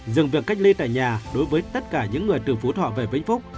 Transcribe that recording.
dừng việc cách ly tại nhà đối với tất cả những người từ phú thọ về vĩnh phúc